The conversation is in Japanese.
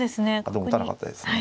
でも打たなかったですね。